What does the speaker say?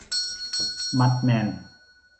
มัดแมน